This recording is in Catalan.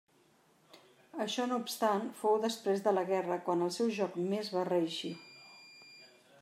Això no obstant, fou després de la guerra quan el seu joc més va reeixir.